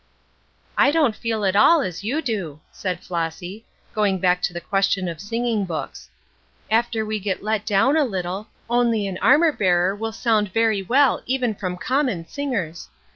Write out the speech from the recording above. "I don't feel at all as you do," said Flossy, going back to the question of singing books. "After we get let down a little, 'Only an armor bearer' will sound very well even from common singers.